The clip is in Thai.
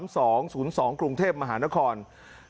เป็นรถของตำรวจสพครองหลวงว์เนี่ยแหละครับ